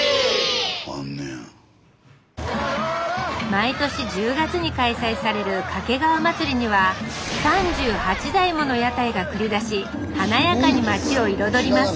毎年１０月に開催される掛川祭には３８台もの屋台が繰り出し華やかに街を彩ります